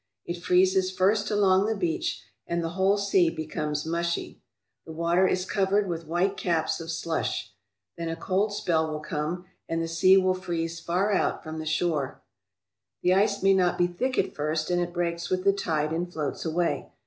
It freezes first along the beach, and the whole sea becomes mushy. The water is covered with white caps of slush. Then a cold spell will come, and the sea will freeze far out from the shore. The ice may not be thick at first and it breaks with the tide and floats away.